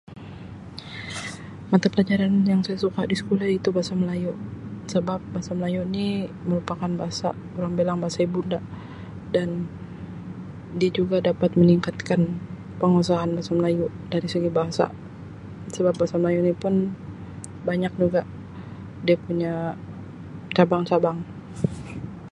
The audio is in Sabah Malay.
Mata Pelajaran yang saya suka di sekolah iaitu Bahasa Melayu sebab Bahasa Melayu ni merupakan bahasa orang bilang bahasa ibunda dan dia juga dapat meningkatkan penguasaan Bahasa Melayu dari segi bahasa sebab Bahasa Melayu ni pun banyak juga dia punya cabang-cabang.